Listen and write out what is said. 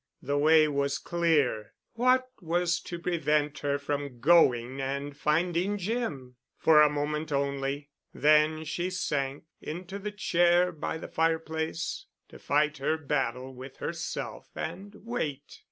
The way was clear. What was to prevent her from going and finding Jim? For a moment only. Then she sank, into the chair by the fireplace—to fight her battle with herself and wait.